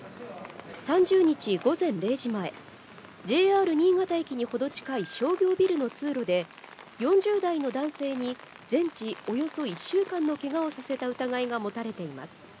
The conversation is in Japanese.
３０日午前０時前、ＪＲ新潟駅に程近い商業ビルの通路で、４０代の男性に全治およそ１週間のけがをさせた疑いが持たれています。